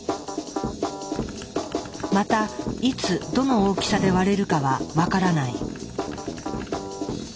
またいつどの大きさで割れるかは分からない。